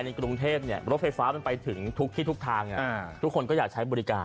กรุงเทพรถไฟฟ้ามันไปถึงทุกที่ทุกทางทุกคนก็อยากใช้บริการ